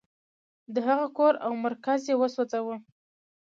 د هغه کور او مرکز یې وسوځاوه.